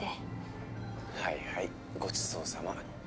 はいはいごちそうさま。